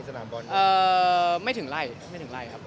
บ้านน้องแมวสรุปแพงกว่าบ้านผม